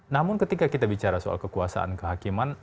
namun ketika kita bicara soal kekuasaan kehakiman